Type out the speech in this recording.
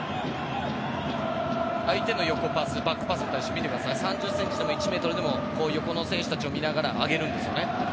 相手の横パス、バックパスに対し３０ｃｍでも１ｍでも横の選手たちを見ながら上げるんですよね。